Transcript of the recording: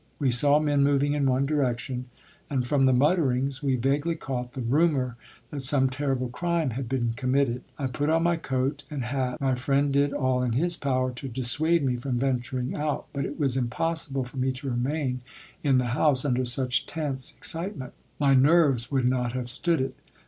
We saw men moving in one direction, and from the mutterings we vaguely caught the rumor that some terrible crime had been committed. I put on my coat and hat. My friend did all in his power to dissuade me from venturing out, but it was impossible for me to remain in the house under such tense excitement. My nerves would not have stood it.